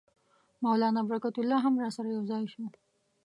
مولنا برکت الله هم راسره یو ځای شو.